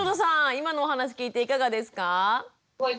今のお話聞いていかがですか？